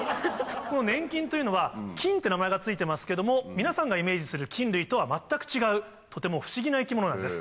この粘菌というのは菌って名前が付いてますけども皆さんがイメージする菌類とは全く違うとても不思議な生き物なんです。